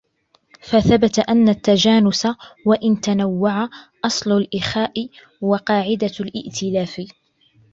فَثَبَتَ أَنَّ التَّجَانُسَ ، وَإِنْ تَنَوَّعَ ، أَصْلُ الْإِخَاءِ وَقَاعِدَةُ الِائْتِلَافِ